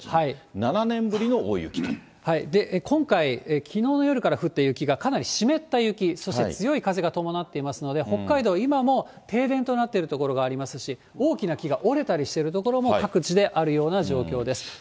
今回、きのうの夜から降った雪がかなり湿った雪、そして強い風が伴っていますので、北海道、今も停電となっている所がありますし、大きな木が折れたりしてる所も各地であるような状況です。